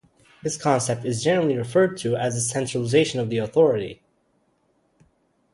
This concept is generally referred to as the centralisation of the authority.